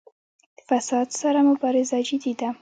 د فساد سره مبارزه جدي ده؟